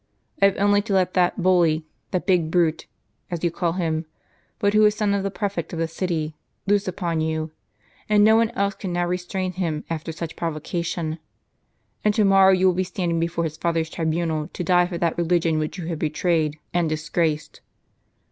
I have only to let that ' bully — that big brute,' as you called him, but who is son of the prefect of the city, loose upon you, (and no one else can now restrain him after such provocation) , and to morrow you will be standing before his father's tribu nal to die for that religion which you have betrayed and dis graced.